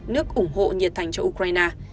nước ủng hộ nhiệt thành cho ukraine